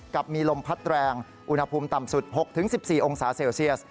กับมีลมพัดแรงอุณหภูมิต่ำสุด๖๑๔องศาเซลเซียส